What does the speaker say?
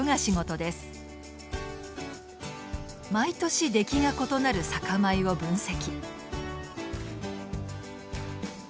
毎年出来が異なる酒米を分析。